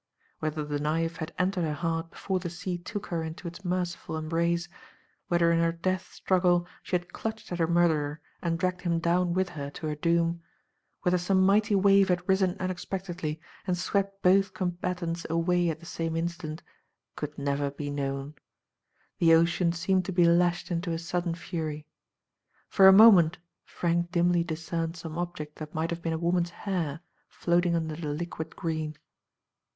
Whether the knife had entered her heart before the sea took her into its merciful embrace, whether in her death struggle she had clutched at her murderer and dragged him down with her to her doom, whether some mighty wave had risen unexpectedly and swept both combatants away at the same instant, could never be known. The ocean seemed to be lashed into a sudden fury. For a moment Frank dimly discerned some object that might have been a woman's hair floating under the liquid green.